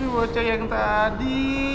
waca yang tadi